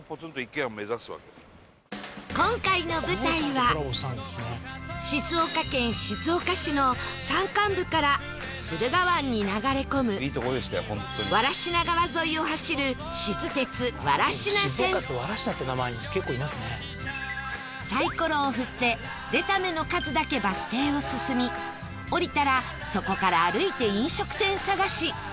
今回の舞台は静岡県静岡市の山間部から駿河湾に流れ込む藁科川沿いを走る静鉄藁科線「静岡って藁科って名前結構いますね」サイコロを振って出た目の数だけバス停を進み降りたらそこから歩いて飲食店探し